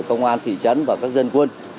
công an thị trấn và các dân quân